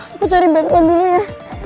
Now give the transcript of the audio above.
aku cari bantuan dulu ya